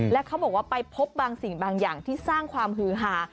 และเขาบอกว่าไปพบบางสิ่งบางอย่างที่สร้างความฮือหา